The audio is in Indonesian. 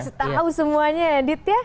kasih tau semuanya ya adit ya